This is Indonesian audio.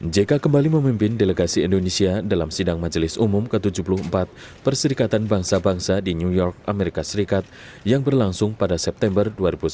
jk kembali memimpin delegasi indonesia dalam sidang majelis umum ke tujuh puluh empat perserikatan bangsa bangsa di new york amerika serikat yang berlangsung pada september dua ribu sembilan belas